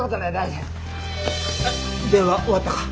電話終わったか？